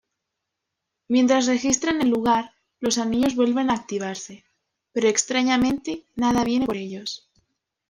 Mientras registran el lugar, los anillos vuelven activarse, pero extrañamente nada viene por ellos.